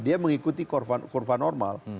dia mengikuti korban normal